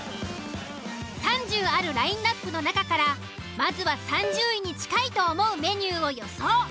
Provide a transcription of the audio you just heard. ３０あるラインアップの中からまずは３０位に近いと思うメニューを予想。